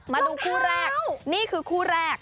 มาดูคู่แรกนี่คือคู่แรก